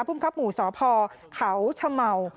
คุณครับหมู่สภเขาชะเมา